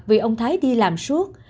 vì ông thái đi làm suốt